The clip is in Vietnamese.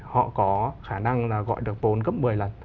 họ có khả năng là gọi được vốn gấp một mươi lần